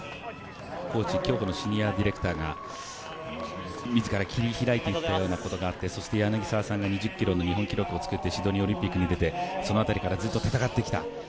コーチ競歩のシニアディレクターが自らが切り開いていったようなところがあってそして柳澤さんが２０ｋｍの日本記録を作ってシドニーオリンピックに出てその辺りからずっと戦ってきた。